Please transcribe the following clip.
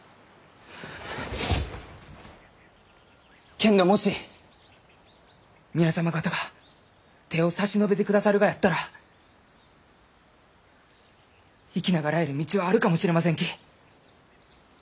けんどもし皆様方が手を差し伸べてくださるがやったら生き長らえる道はあるかもしれませんき！